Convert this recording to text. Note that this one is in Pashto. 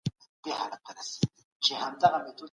دغه ونه ډېره اوږده سوې ده.